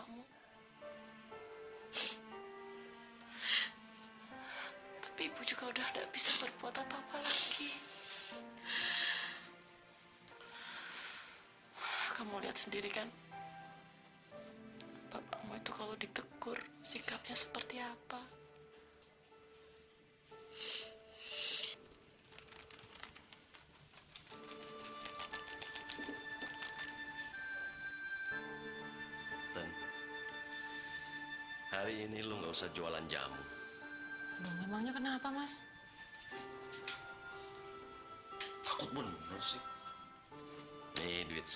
mau sebanyak ini dari mana tuh mas